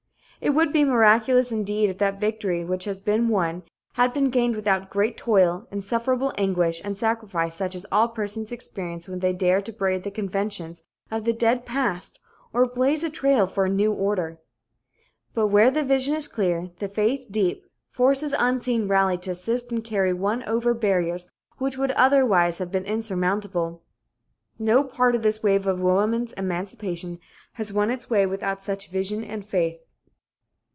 It would be miraculous indeed if that victory which has been won, had been gained without great toil, insufferable anguish and sacrifice such as all persons experience when they dare to brave the conventions of the dead past or blaze a trail for a new order. But where the vision is clear, the faith deep, forces unseen rally to assist and carry one over barriers which would otherwise have been insurmountable. No part of this wave of woman's emancipation has won its way without such vision and faith.